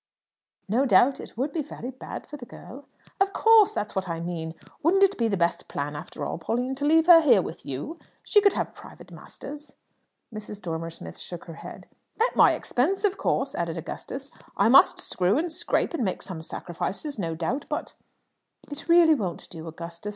"No doubt it would be very bad for the girl." "Of course! That's what I mean. Wouldn't it be the best plan after all, Pauline, to leave her here with you? She could have private masters " Mrs. Dormer Smith shook her head. "At my expense, of course," added Augustus. "I must screw and scrape and make some sacrifices no doubt, but " "It really won't do, Augustus.